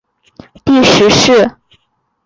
富察善属镶黄旗满洲沙济富察氏第十世。